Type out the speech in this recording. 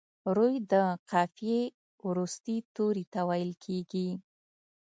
روي د قافیې وروستي توري ته ویل کیږي.